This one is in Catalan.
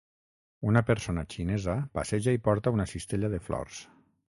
Una persona xinesa passeja i porta una cistella de flors.